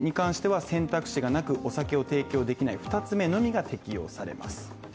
また認証を受けていないお店に関しては選択肢がなく、お酒を提供できない二つ目のみが適用されます